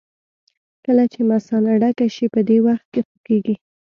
کله چې مثانه ډکه شي په دې وخت کې خوږېږي.